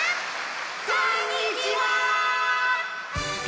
こんにちは！